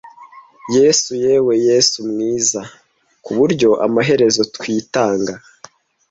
yesu yewe yesu mwiza kuburyo amaherezo twitanga